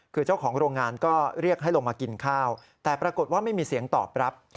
คือเจ้าของโรงงานก็เรียกให้ลงมากินข้าวแต่ปรากฏว่าไม่มีเสียงตอบรับ